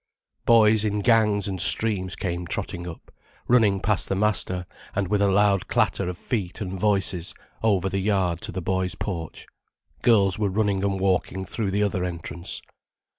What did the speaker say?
Boys in gangs and streams came trotting up, running past the master and with a loud clatter of feet and voices, over the yard to the boys' porch. Girls were running and walking through the other entrance.